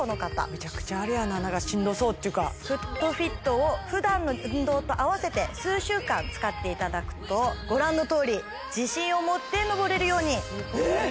めちゃくちゃあれやなしんどそうっていうかＦｏｏｔＦｉｔを普段の運動とあわせて数週間使っていただくとご覧のとおり自信を持って上れるようにえっ！